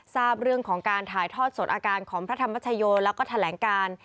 ทราบเรื่องของการถ่ายทอดสดอาการของพระธรรมชโยแล้วก็แถลงการ